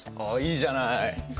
あっいいじゃない。